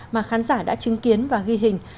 mà khán giả đã chứng kiến và ghi hình